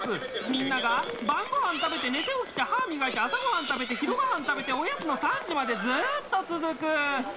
みんなが晩ごはん食べて寝て起きて歯磨いて朝ごはん食べて昼ごはん食べておやつの３時までずっと続く。